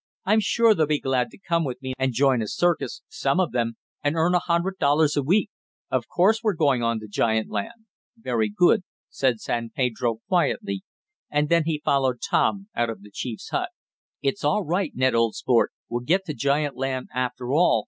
I'm sure they'll be glad to come with me and join a circus some of them and earn a hundred dollars a week. Of course we're going on to giant land!" "Very good," said San Pedro quietly, and then he followed Tom out of the chief's hut. "It's all right, Ned old sport, we'll get to giant land after all!"